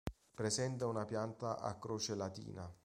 Presenta una pianta a croce latina.